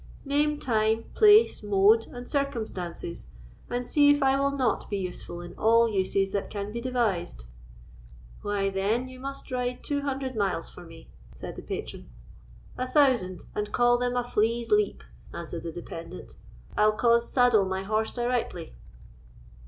Name time, place, mode, and circumstances, and see if I will not be useful in all uses that can be devised." "Why, then, you must ride two hundred miles for me," said the patron. "A thousand, and call them a flea's leap," answered the dependant; "I'll cause saddle my horse directly."